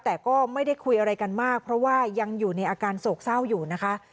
แต่ก็ไม่ได้คุยอะไรกันมากเพราะว่ายังอยู่ในอาการโศกเศร้าอยู่นะคะ